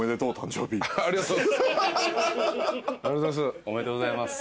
ありがとうございます。